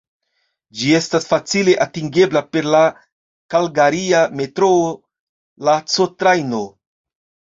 Ĝi estas facile atingebla per la kalgaria metroo, la C-Trajno.